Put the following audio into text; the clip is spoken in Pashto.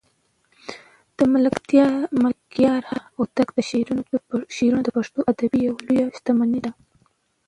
د ملکیار هوتک شعرونه د پښتو ادب یوه لویه شتمني ده.